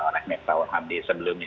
rahmi tawar hamdi sebelumnya